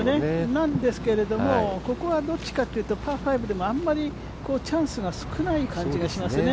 なんですけれども、ここはどっちかというとパー５でもあんまりチャンスが少ない感じがしますね。